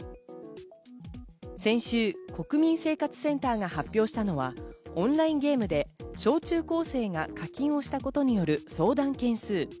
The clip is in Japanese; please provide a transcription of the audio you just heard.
先週、国民生活センターが発表したのはオンラインゲームで小中高生が課金をしたことによる相談件数。